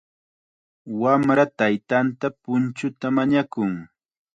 Wamra taytanta punchuta mañakun.